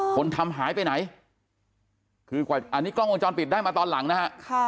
คนทำหายไปไหนคือกว่าอันนี้กล้องวงจรปิดได้มาตอนหลังนะฮะ